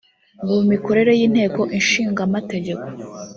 ngo mu mikorere y’Inteko Ishinga Amategeko